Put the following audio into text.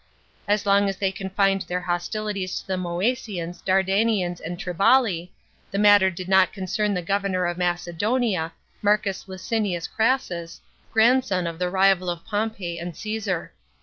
As long as they confined their hostilities to the Moesians, Dardanians, and Triballi, the matter did not concern the governor of Macedonia, Marcus Licinius Crassus, grandson of the rival of Pompey and Caesar.